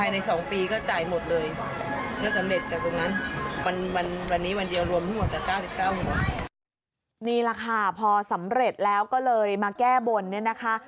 นี่แหละค่ะพอสำเร็จแล้วก็เลยมาแก้บนเนี่ยนะคะ